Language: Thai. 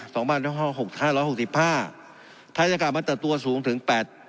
ธนาคารมันเติบตัวสูงถึง๘๖๑๐